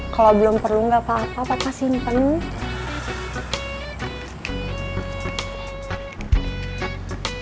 kalo belum perlu gapapa papa pasin penuh